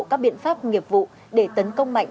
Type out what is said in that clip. các biện pháp nghiệp vụ để tấn công mạnh